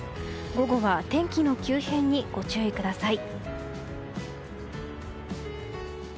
午後は天気の急変にご注意ください。